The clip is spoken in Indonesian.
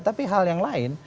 tapi hal yang lain